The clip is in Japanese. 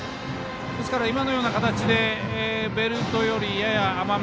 今のような形でベルトより、やや甘め。